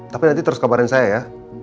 tapi nanti terus kabarin saya ya